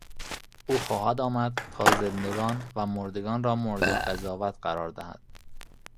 او خواهد آمد تا زندگان و مردگان را مورد قضاوت قرار دهد.